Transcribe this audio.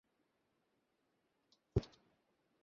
ছোটর পূজাই প্রথম, তারপর আপনা-আপনি বড় আসবে।